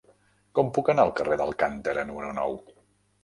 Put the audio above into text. Com puc anar al carrer d'Alcántara número nou?